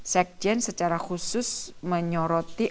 sekjen secara khusus menyoroti